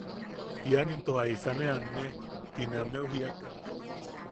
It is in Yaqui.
–Ian into jaisa into ne anne. Ti ne ameu jiiak.